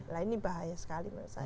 nah ini bahaya sekali menurut saya